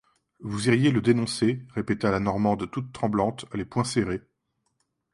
Vous iriez le dénoncer, répéta la Normande toute tremblante, les poings serrés.